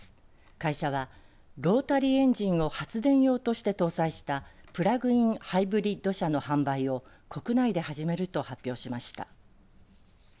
会社はロータリーエンジンを発電用として搭載したプラグインハイブリッド車の販売を国内で始めると発表しました。